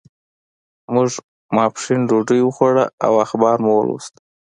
موږ ماسپښین ډوډۍ وخوړه او اخبار مو ولوست.